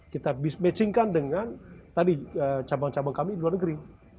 kita bis matchingkan dengan tadi cabang cabang kami di luar negeri